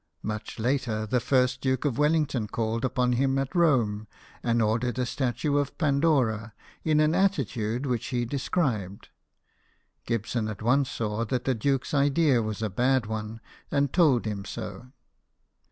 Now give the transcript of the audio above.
Much later, the first Duke of Wellington called upon him at Rome and ordered a statue of Pandora, in an attitude which he described. Gibson at once saw that the Duke's idea was a bad one, and told him so.